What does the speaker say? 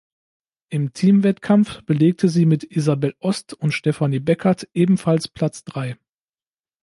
Im Team-Wettkampf belegte sie mit Isabell Ost und Stephanie Beckert ebenfalls Platz drei.